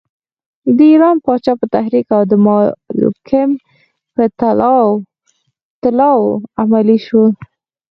د ایران پاچا په تحریک او د مالکم په طلاوو عملی شول.